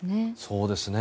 そうですね。